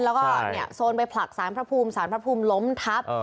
แล้วก็โซนไปผลักสารพระภูมิสารพระภูมิล้มทับ